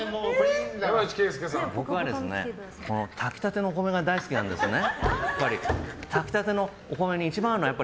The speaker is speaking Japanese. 僕はですね、炊き立てのお米が大好きなんですね。